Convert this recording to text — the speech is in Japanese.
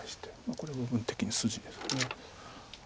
これ部分的に筋です。